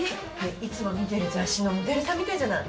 いつも見てる雑誌のモデルさんみたいじゃない。